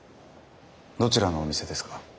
どちらのお店ですか？